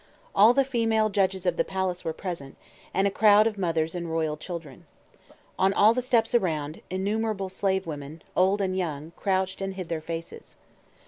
All the female judges of the palace were present, and a crowd of mothers and royal children. On all the steps around, innumerable slave women, old and young, crouched and hid their faces.